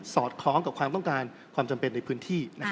อดคล้องกับความต้องการความจำเป็นในพื้นที่